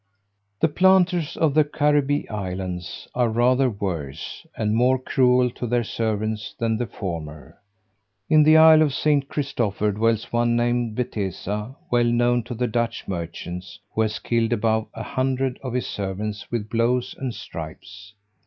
The planters of the Caribbee islands are rather worse, and more cruel to their servants, than the former. In the isle of St. Christopher dwells one named Bettesa, well known to the Dutch merchants, who has killed above a hundred of his servants with blows and stripes.